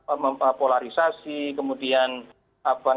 apa namanya karena banyak orang yang sudah lelah dengan gaya donald trump ini